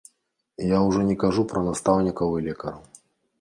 Я ўжо не кажу пра настаўнікаў і лекараў.